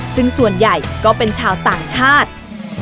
ซึ่งส่วนใหญ่ก็เป็นชาวต่างชาติ